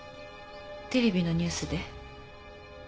テレビのニュースで。